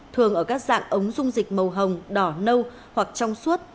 thường ở các dạng ống dung dịch màu hồng đỏ nâu hoặc trong suốt